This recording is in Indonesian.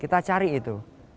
kita cari itu